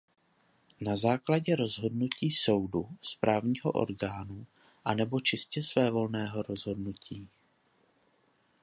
Na základě rozhodnutí soudu, správního orgánu, anebo čistě svévolného rozhodnutí?